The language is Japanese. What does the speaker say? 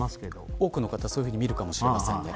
多くの方、そういうふうに見るかもしれませんね。